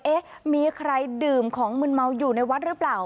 เอ๊ะมีใครดื่มของมืนเมาอยู่ในวัดหรือเปล่า